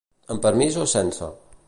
Amb permís o sense?